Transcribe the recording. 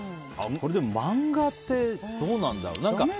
漫画ってどうなんだろう。